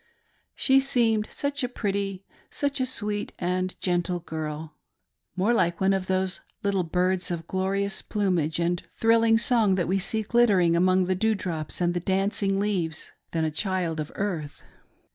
She seemed such a pretty, such a sweet and gentle girl — more like one of those little birds of glorious plumage and thrilling song that we see glittering among the dew drops and the dancing leaves, than a child of earth.